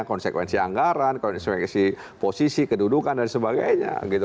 konsekuensi anggaran konsekuensi posisi kedudukan dan sebagainya